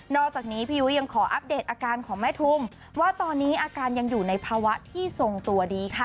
อกจากนี้พี่ยุ้ยยังขออัปเดตอาการของแม่ทุมว่าตอนนี้อาการยังอยู่ในภาวะที่ทรงตัวดีค่ะ